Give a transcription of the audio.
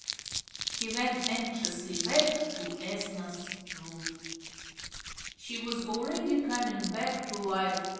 He went anxiously back to Ethna's room. She was already coming back to life.